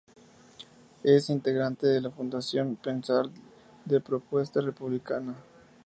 Es integrante de la Fundación Pensar de Propuesta Republicana.